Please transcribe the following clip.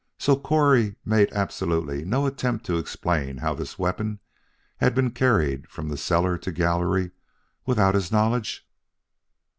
So Correy made absolutely no attempt to explain how this weapon had been carried from cellar to gallery without his knowledge?"